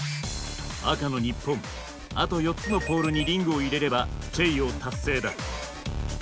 赤の日本あと４つのポールにリングを入れればチェイヨー達成だ。